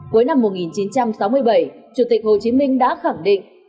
cuối năm một nghìn chín trăm sáu mươi bảy chủ tịch hồ chí minh đã khẳng định